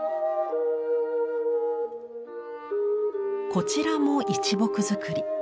こちらも一木造り。